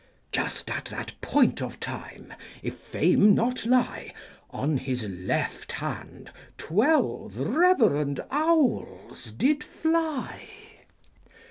Just at the point of time, if fame not lie, On his left hand twelve reverend owls did fly.